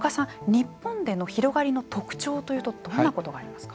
日本での広がりの特徴というとどんなことがありますか。